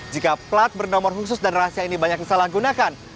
jika plat bernomor khusus dan rahasia ini banyak disalahgunakan